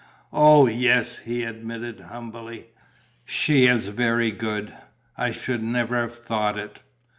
"Oh, yes!" he admitted, humbly. "She is very good. I should never have thought it.